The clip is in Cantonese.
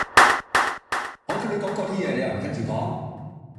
我叫你講嗰啲嘢你又唔跟住講